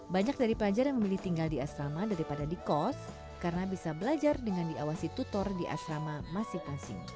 banyak dari pelajar yang memilih tinggal di asrama daripada di kos karena bisa belajar dengan diawasi tutor di asrama masing masing